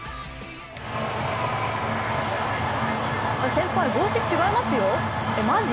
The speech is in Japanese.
先輩、帽子違いますよ、えっ、マジ？